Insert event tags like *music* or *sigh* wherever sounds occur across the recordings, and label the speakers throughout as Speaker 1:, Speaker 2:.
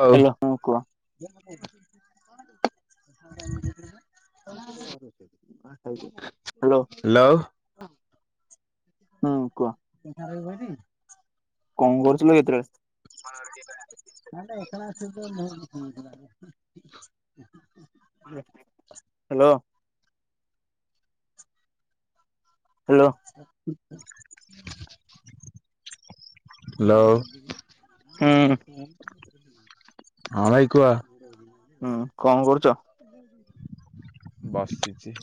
Speaker 1: ହଉ
Speaker 2: ହ୍ୟାଲୋ ହଁ କୁହ। ହ୍ୟାଲୋ।
Speaker 1: ହ୍ୟାଲୋ।
Speaker 2: ହୁଁ କୁହ।
Speaker 1: *inaudible*
Speaker 2: କଣ କରୁଥିଲ ସେତେବେଳେ?
Speaker 1: *unintelligible*
Speaker 2: ହ୍ୟାଲୋ। ହ୍ୟାଲୋ।
Speaker 1: ହ୍ୟାଲୋ।
Speaker 2: ହୁଁ
Speaker 1: ହଁ ଭଇ କୁହ।
Speaker 2: ହୁଁ କରୁ
Speaker 1: ବସିଛି।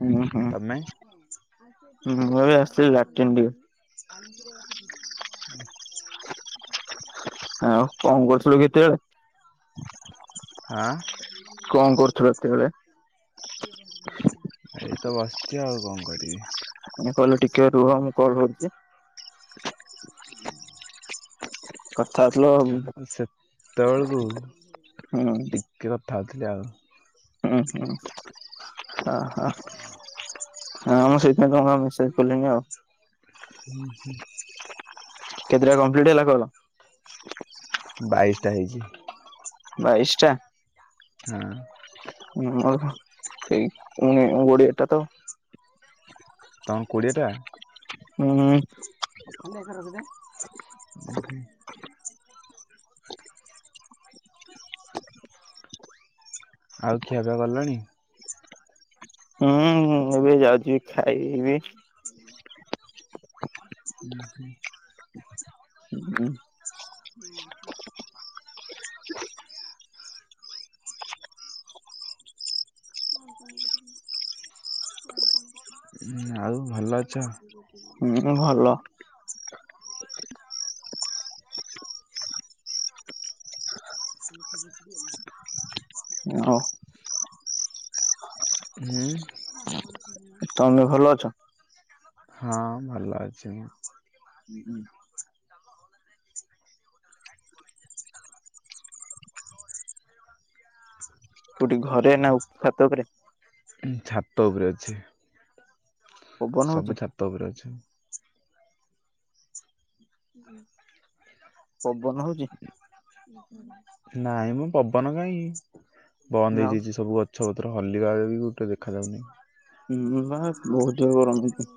Speaker 2: ହୁଁ ହୁଁ,
Speaker 1: ତମେ?
Speaker 2: ହଁ ମୁଁ ଏବେ ଆସଥିଲି ଲାଟିନ ଟିକେ। ଆଉ କଣ କରୁଥିଲୁ କି ଏତେବେଳେ?
Speaker 1: ହଁ ଏଇତ ବସିଛି ଆଉ କଣ କରିବି?
Speaker 2: କହିଲ ଟିକେ ରୁହ ମୁଁ କଣ କରୁଛି।
Speaker 1: ହୁଁ।
Speaker 2: କଥା ହଉଥିଲ ହୁଁ
Speaker 1: ସେତେବେଳକୁ
Speaker 2: ହୁଁ
Speaker 1: ଟିକେ କଥା ହଉଥିଲି ଆଉ।
Speaker 2: ହୁଁ ହୁଁ ହ ହଁ ହ ଆମ ସେଇ *unintelligible* ମେସେଜ କଲିନି ଆଉ। କେତେଟା କମ୍ପ୍ଲିଟ ହେଲା କଲ?
Speaker 1: ବାଇଶଟା ହେଇଛି।
Speaker 2: ବାଇସ ଟା?
Speaker 1: ହଁ।
Speaker 2: ହଁ ସେଇ ଗଡ଼ିଆଟା ତ।
Speaker 1: ତମ କୋଡ଼ିଏଟା?
Speaker 2: ହୁଁ।
Speaker 1: ଆଉ ଖିଆପିଆ କଲଣି?
Speaker 2: ହୁଁ ଏବେ ଯାଉଛି। ଖାଇବି।
Speaker 1: ହୁଁ ହୁଁ।
Speaker 2: ହୁଁ।
Speaker 1: ଆଉ ଭଲ ଅଛ?
Speaker 2: ହୁଁ ଭଲ। ଆଉ
Speaker 1: ହୁଁ।
Speaker 2: ତମେ ଭଲ ଅଛ?
Speaker 1: ହଁ ଭଲ ଅଛି ମୁଁ।
Speaker 2: କୁଠି ଘରେ ନା ଛାତ ଉପରେ?
Speaker 1: ତ ଉପରେ ଅଛି।
Speaker 2: ପବନ ହଉଛି
Speaker 1: ସବୁ ଛାତ ଉପରେ ଅଛି। ହୁଁ।
Speaker 2: ପବନ ହଉଛି।
Speaker 1: ନାଇଁ ମ ପବନ କାହିଁ ବନ୍ଦ
Speaker 2: ଆଉ
Speaker 1: ହେଇଯାଇଛି ସବୁ ଅଛି ସବୁଠାରେ ହଲିଲା ବି ଗୋଟେ ଦେଖାାଯାଉନି।
Speaker 2: ହୁଁ ବା। ବହୁତ ଗରମ। ହଁ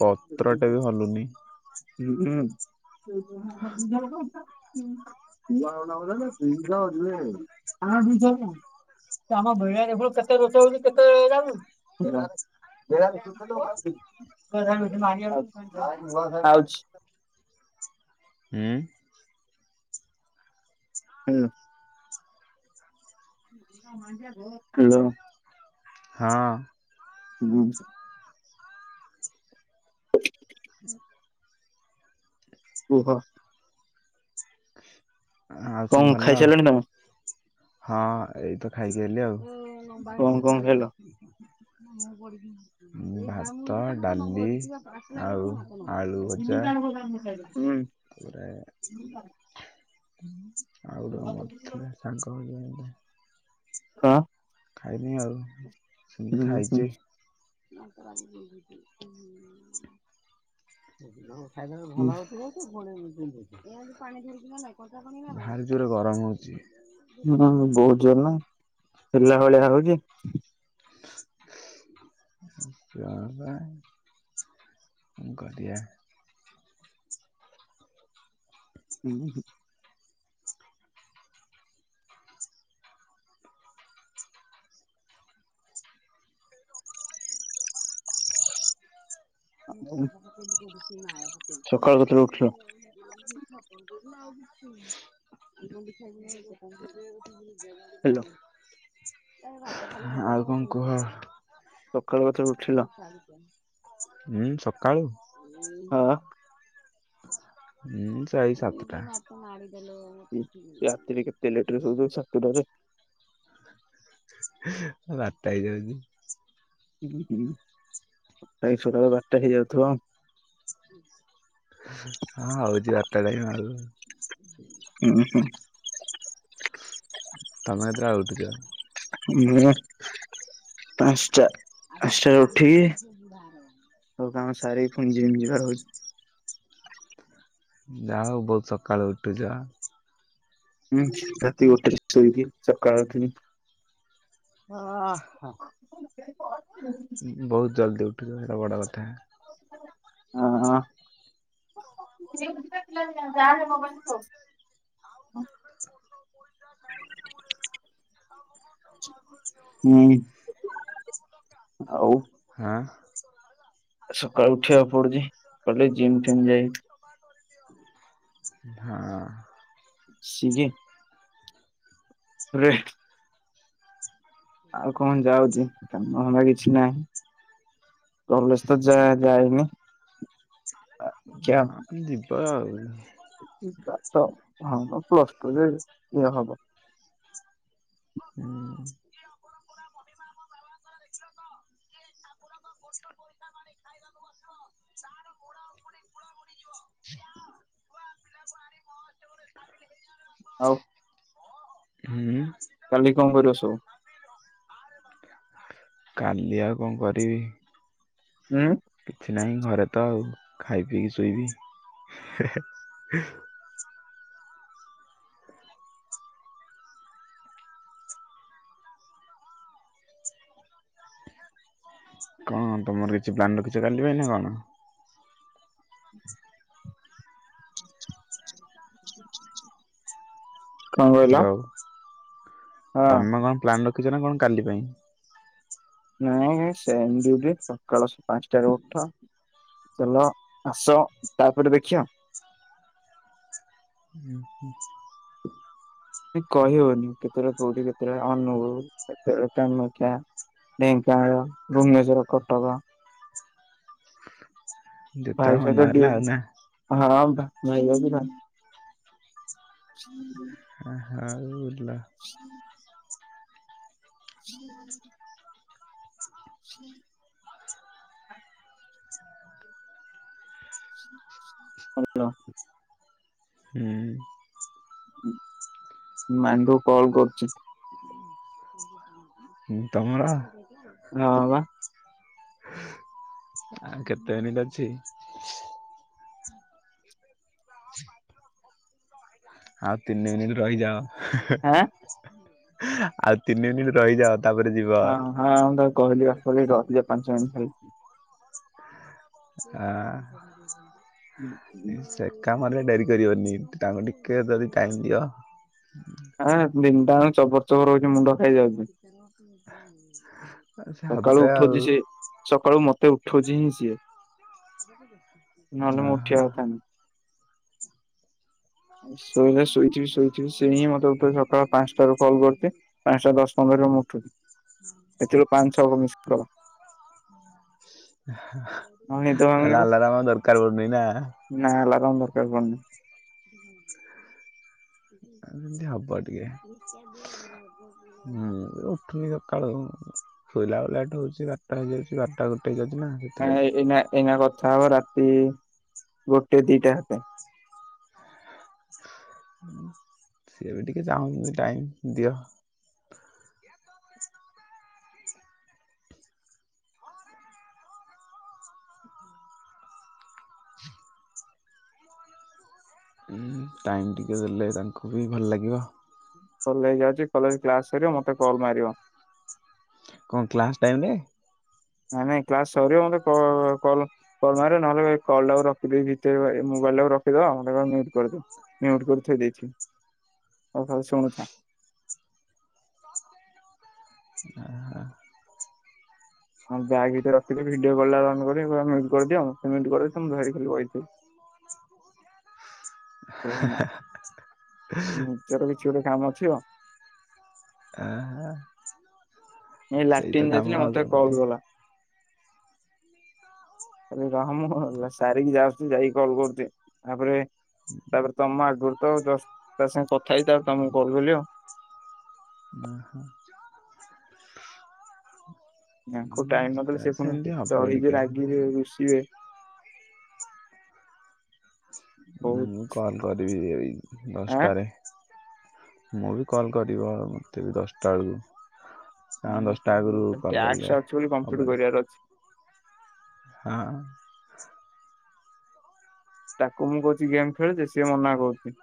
Speaker 1: ପତ୍ରଟେ ବି ହଲୁନି
Speaker 2: ହୁଁ। *unintelligible* *unintelligible* *unintelligible* ଆଛି। *inaudible*
Speaker 1: ଉଁ।
Speaker 2: ହୁଁ। ହ୍ୟାଲୋ।
Speaker 1: ହଁ।
Speaker 2: *inaudible* କୁହ।
Speaker 1: ଆଉ ସବୁ
Speaker 2: କଣ
Speaker 1: ଭଲ
Speaker 2: ଖାଇସାରିଲାଣି ତମ।
Speaker 1: ହଁ ଏଇତ ଖାଇକି ଆଇଲି ଆଉ।
Speaker 2: କଣ କଣ ଖାଇଲ?
Speaker 1: ଭାତ ଡାଲି। ଆଉ ଆଳୁ
Speaker 2: *inaudible*
Speaker 1: ଭଜା
Speaker 2: ହୁଁ।
Speaker 1: ତାପରେ
Speaker 2: *inaudible*
Speaker 1: ଆଉ ଗୋଟେ କଣ କରଥିଲା ଶାଗ ଭଜା ଗୋଟେ।
Speaker 2: ହଁ।
Speaker 1: ଖାଇନି ଆଉ ସେମିତି
Speaker 2: ହୁଁ
Speaker 1: ଖାଇଛି। *inaudible* ଖାଇବା ଭଲ ହେଇଥିବ ତ ପୁଣି। ଭାରି ଜୋରେ ଗରମ ହଉଛି।
Speaker 2: ହୁଁ ବହୁତ ଜୋର ନା ହେଲା ଭଳିଆ ହଉଛି।
Speaker 1: *unintelligible* ମୁଗ ଦିଆ। *unintelligible* *unintelligible* *unintelligible*
Speaker 2: ସକାଳୁ କେତେବେଳେ ଉଠିଲ? ହେଲୋ
Speaker 1: ଆଉ କଣ କୁହ।
Speaker 2: ସକାଳ କଥା ଉଠିଲ
Speaker 1: ଉୁଁ ସକାଳୁ।
Speaker 2: ହଁ
Speaker 1: ହୁଁ ଚାରି ସାତଟା।
Speaker 2: ରାତିରେ କେତେ ଲେଟର ଶୋଉଛ ସତଟାରେ।
Speaker 1: ଆଉ ବାରଟା ହେଇଯାଉଛି।
Speaker 2: ହୁଁ ହୁଁ ପ୍ର ସକାଳ ବାରଟା ହେଇଯାଉଥିବ ଆଉ।
Speaker 1: ହଁ ହଉଛି ବାରଟା ଟାଇମ୍ ଆଉ।
Speaker 2: ହୁଁ ହୁଁ।
Speaker 1: ତମେ କେତେଟରେ ଉଠୁଛ।
Speaker 2: ମୁଁ *inaudible* ପାନ୍ସ ଷ୍ଟା ପାଞ୍ଚଟା ରେ ଉଠି କି ସବୁ କାମ ସାରି। ପୁଣି ଜିମ ଯିବାର ଅଛି।
Speaker 1: ଯାହା ହଉ ବହୁତ ସକାଳୁ ଉଠୁଛ।
Speaker 2: ହୁଁ ରାତି ଗୋଟ ଶୋଇକି ସକାଳୁ ପୁଣି।
Speaker 1: ଅ ହ।
Speaker 2: *unintelligible*
Speaker 1: ଉଁ ବୋହୁତ ଜଲ୍ଦୀ ଉଠୁଚ ସେଟା ବଡ଼ କଥା।
Speaker 2: ହଁ ହଁ। *unintelligible* ହୁଁ।
Speaker 1: ହଁ।
Speaker 2: ଆଉ
Speaker 1: ଆମ ଯାହା କରିଚୁ ଭୁଲ୍
Speaker 2: ସକାଳୁ ଉଠିବାକୁ
Speaker 1: କରିଚୁ
Speaker 2: ପଡୁଛି
Speaker 1: ଆମେ
Speaker 2: କଲେ ଜିମ୍
Speaker 1: ଭୁଲ୍
Speaker 2: ଫିମ୍ ଯାଇ
Speaker 1: ମାଗୁଚୁ ଆମୁକୁ କ୍ଷମା କରି ହଁ।
Speaker 2: ସିଜେ ରେ ଆଉ କଣ ଯାଉଚି କାମ ଧନ୍ଦା କିଛି ନାହିଁ। କଲେଜ୍ ତ ଯା ଯାଇନି। ଆ,
Speaker 1: ହଁ ଯିବା ଆଉ।
Speaker 2: ଏ କି ପାଠ ହଁ ବା ପ୍ଲସ୍ ଟୁରେ ଇଏ ହବ।
Speaker 1: ହୁଁ। ଗ
Speaker 2: ଓ
Speaker 1: ହୁଁ।
Speaker 2: କାଲି କଣ କରିବ ସବୁ?
Speaker 1: କାଲି ଆଉ କଣ କରିବି
Speaker 2: ହୁଁ
Speaker 1: କିଛି ନାହିଁ ଘରେ ତ ଆଉ। ଖାଇ ପିଇକି ଶୋଇବି ହେ ହେଁ। କଣ ତମର କିଛି ପ୍ଲାନ ରଖିଛ କାଲି ପାଇଁ ନା କଣ?
Speaker 2: *inaudible* କହିଲ?
Speaker 1: ହ୍ୟାଲୋ
Speaker 2: ହଁ
Speaker 1: ତମେ କଣ ପ୍ଲାନ୍ ରଖିଛ ନା କ ଣ କାଲି ପାଇଁ?
Speaker 2: ହଁ ହଁ ସେମ୍ ଡିଉଟି ସକାଳ ପାଞ୍ଚଟାରେ ଉଠ ଚାଲ ଆସ ତାପରେ ଦେଖିବା।
Speaker 1: ଉଁ ହୁଁ।
Speaker 2: ନ୍ତି କହି ହଉନି କେତେବେଳେ କୋଉଠି କେତେବେଳେ ଅନୁଗୁଳୁ କେତେବେଳେ କାମାକ୍ଷା ଢେଙ୍କାନାଳ, ଭୁବନେଶ୍ୱର, କଟକ
Speaker 1: ଯେତେବେଳେ
Speaker 2: ଭାଇ
Speaker 1: ମନ
Speaker 2: ସହିତ
Speaker 1: ହେଲା
Speaker 2: ଡଉ
Speaker 1: ଆଉ ନା
Speaker 2: ହଁ ଭାଇ ହୁଁ ହୁଁ
Speaker 1: ଆ ହାଉ
Speaker 2: *inaudible* ଜ *inaudible* ହାଲୋ।
Speaker 1: ହୁଁ
Speaker 2: ମାଣ୍ଡୁ କଲ କରୁଛି।
Speaker 1: ହୁଁ ତମର
Speaker 2: ହଁ ବା
Speaker 1: ଆଉ କେତେ ମିନିଟ୍ ଅଛି? ଆଉ ତିନି ମିନିଟ୍ ରହିଯାଅ
Speaker 2: ହଁ
Speaker 1: ଆଉ ତିନି ମିନିଟ୍ ରହିଯାଅ ତାପରେ ଯିବ।
Speaker 2: ହଁ ହଁ ମୁଁ ତାକୁ କହିଲି ବା କହିଲି ରହିଯା ପାଞ୍ଚ ମିନିଟ୍ ଖାଲି
Speaker 1: ଆ
Speaker 2: ହୁଁ ହୁଁ
Speaker 1: କାମରେ ଡେରି କରିବନି, ତାଙ୍କୁ ଟିକେ ଯଦି ଟାଇମ ଦିଅ।
Speaker 2: ହଁ ତିନିଟା ଆଙ୍କ ଚବର ଚବର ହଉ
Speaker 1: *inaudible*
Speaker 2: ସକାଳୁ
Speaker 1: ହେବେ ଆଉ
Speaker 2: ଉଠଛି ସିଏ ସକାଳୁ ମତେ ଉଠଉଛି ହିଁ ସିଏ। ନହେଲେ
Speaker 1: ଅ
Speaker 2: ମୁଁ
Speaker 1: ହ।
Speaker 2: ଉଠିବା କଥା ନୁହଁ। ଶୋଇ ଶୋଇଥିବି ଶୋଇଥିବି ସେଇ ହିଁ ମତେ ସକାଳ ପାଞ୍ଚଟାରୁ କଲ୍ କରିଥିଲ ପାଞ୍ଚଟା ଦଶ ପନ୍ଦରରେ ମ ଉଠୁ ଏଥିରୁ ପାଞ୍ଚ ଛଅହ ମିଶକଲ୍। ଭାଙ୍ଗୁନି
Speaker 1: ତାହେଲେ
Speaker 2: ବା।
Speaker 1: ଆଲାରାମ ଆଉ ଦରକାର ପଡ଼ୁନି ନା।
Speaker 2: କଣ ଦରକାର କହୁନ।
Speaker 1: ଆଏମିତି ହବ ଟିକେ। ମୁଁ ଉଠୁନି ସକାଳୁ ଶୋଇଲାବେଳେ ଲେଟ ହଉଛି ବାରଟା ହେଇଯାଉଛି ବାରଟା ଗୋଟେ ହେଇଯାଉଛି। ନା
Speaker 2: ହ
Speaker 1: ସେଥିଲାଗି।
Speaker 2: ଏନା-ଏନା କଥା ହବ ରାତି ଗୋଟେ ଦିଟା।
Speaker 1: ସଏ ବି ଟିକେ ଚାହୁଁନି ଟାଇମ ଦିଅ। ଟାଇମ୍ ଟିକେ ଦେଲେ ତାଙ୍କୁ ବି ଭଲ ଲାଗିବ।
Speaker 2: କଲେଜ ଯାଉଛି କଲେଜ କ୍ଲାସ କରିବ ମତେ କଲ୍ ମାରିବ।
Speaker 1: କଣ କ୍ଲାସ ଟାଇମ ରେ?
Speaker 2: ନାଇଁ-ନାଇଁ କ୍ଲାସ ସରିବ ମତେ କଅ କଲ-କଲ ମାରିବେ ନହେଲେ କଲ ଟା ରଖିଦେଇ ଭିତରେ ମା ମୋବାଇଲାକୁ ରଖିଦ ମତେ କହିବ ମିଉଟ-ମିଉଟ କରିକି ଥୋଇଦେଇଛି। ଆଉ ହଉ ଶୁଣୁଥା।
Speaker 1: ଆହା
Speaker 2: ହଁ ବ୍ୟାଗ୍ ଭିତରେ ରଖି ଭିଡିଓ କଲ୍ଟା ଅନ୍ କରିକି କହିବ ମ୍ୟୁଟ୍ କରିଦିଅ ମୋତେ ମ୍ୟୁଟ୍ କରିଦେଇ ତମେ ଧରିକି ଖାଲି ବଇଥାଅ। କୁହନା ନିଜର କିଛି ଗୋଟେ କାମ ଅଛି।
Speaker 1: ଅ ହଁ।
Speaker 2: ଏଇ ଲାଟିନ୍ ଯାଇଥିଲି ମତେ କଲ୍
Speaker 1: କରିବେ।
Speaker 2: କଲା। ରହ ସାରିକି ଯାଉଛି ଯାଇକି କଲ୍ କରୁଛି। ତାପରେ ତାପରେ ତମ ଆଗରୁ ତ ଦଶ ତା ସାଙ୍ଗେ କଥା ହେଇକି ତାପରେ ତମକୁ କଲ୍ କଲି ଆଉ।
Speaker 1: ଓହୋ
Speaker 2: ଆଙ୍କୁ
Speaker 1: ଉଁ
Speaker 2: ଟାଇମ
Speaker 1: ତା
Speaker 2: ନଦେଲେ ସେ ପୁଣି
Speaker 1: ସେମିତି ହବ
Speaker 2: ଚଢିଯିବ
Speaker 1: ଟିକେ
Speaker 2: ରାଗିବେ ରୁଷିବେ। ବହୁତ
Speaker 1: ମୁଁ କଲ କରିବି ଏଇ
Speaker 2: ଆଁ
Speaker 1: ଦଶଟାରେ। ମୁଁ ବି କଲ କରିବ ମତେ ବି ଦଶଟା ବେଳକୁ ହଁ ଦଶଟା ଆଗରୁ କଲ୍
Speaker 2: ଟ୍ୟାକ୍ସ
Speaker 1: କଲେ
Speaker 2: ଅଛି ବୋଲି କମ୍ପ୍ଲିଟ୍
Speaker 1: ହବନି।
Speaker 2: କରିବାର ଅଛି
Speaker 1: ହଁ।
Speaker 2: ତାକୁ ମୁଁ କହୁଛି ଗେମ୍ ଖେଳୁଛି ସିଏ ମନା କରୁଛି।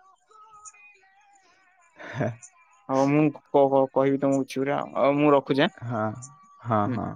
Speaker 2: ହଉ ମୁଁ କ-କହିବି ତମକୁ ବୁଝିକି ମୁଁ ର
Speaker 1: ହଁ-ହଁ-ହଁ।